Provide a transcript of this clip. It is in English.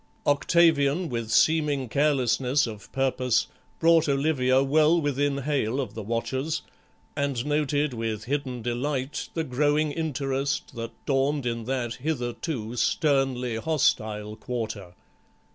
Octavian, with seeming carelessness of purpose, brought Olivia well within hail of the watchers and noted with hidden delight the growing interest that dawned in that hitherto sternly hostile quarter.